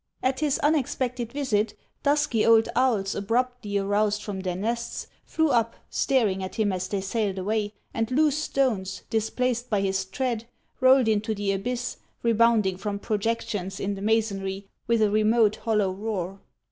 At his unexpected visit, dusky old owls abruptly aroused from their nests, flew up, staring at him as they sailed away, and loose stones, displaced by his tread, rolled into the abyss, rebounding from projections in the masonry with a remote, hollow roar.